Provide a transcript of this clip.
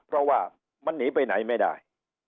เพราะว่ามันหนีไปไหนไม่ได้